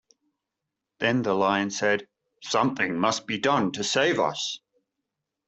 Then the Lion said: "Something must be done to save us".